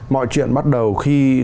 mọi chuyện bắt đầu khi